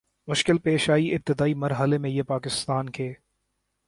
مشکل پیش آئی ابتدائی مر حلے میں یہ پاکستان کے